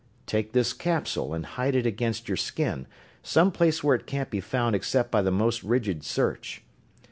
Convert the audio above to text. Take this capsule and hide it against your skin, some place where it can't be found except by the most rigid search.